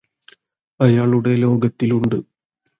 അയാളുടെ ലോകത്തിലുണ്ട്